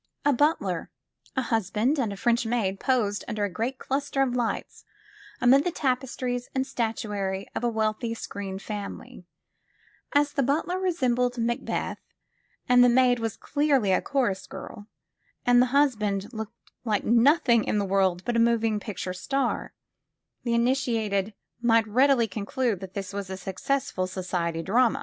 A butler, a husband and a French maid posed under great clus tered lights amid the tapestries and statuary of the wealthy screen family ; as the butler resembled Macbeth and the maid was clearly a chorus girl and the husband looked like nothing in the world but a moving picture star, the initiated might readily conclude that this was a successful society drama.